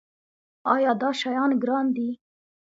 ایا دا شیان ګران دي؟